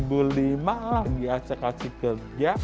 awalnya dua ribu lima lagi acak acak kerja